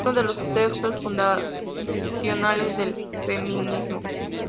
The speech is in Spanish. Uno de los textos fundacionales del feminismo.